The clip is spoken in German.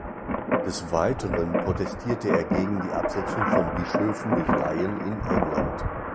Des Weiteren protestierte er gegen die Absetzung von Bischöfen durch Laien in England.